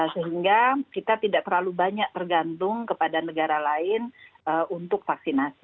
sehingga kita tidak terlalu banyak tergantung kepada negara lain untuk vaksinasi